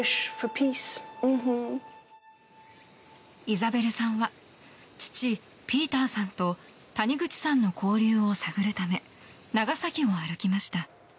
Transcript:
イザベルさんは父ピーターさんと谷口さんの交流を探るため長崎を歩きました。